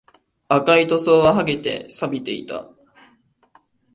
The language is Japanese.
赤い塗装は剥げて、錆びていた